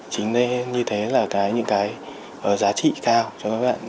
chính đây như thế là những cái giá trị cao cho các bạn